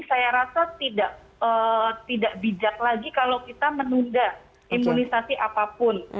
saya rasa tidak bijak lagi kalau kita menunda imunisasi apapun